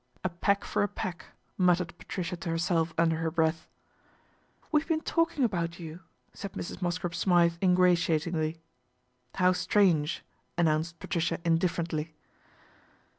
" A peck for a peck," muttered Patricia to her self under her breath. " We've been talking about you," said Mrs. Mosscrop Smythe ingratiatingly. " How strange," announced Patricia in differently.